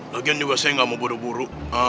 lagian juga saya gak mau bodoh buru